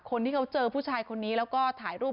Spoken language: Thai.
คนที่เขาเจอผู้ชายคนนี้แล้วก็ถ่ายรูป